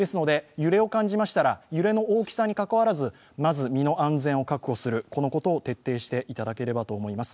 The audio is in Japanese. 揺れを感じましたら、その大きさにかかわらずまず身の安全を確保することを徹底していただければと思います。